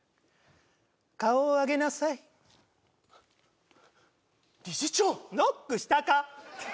顔を上げなさい理事長ノックしたか？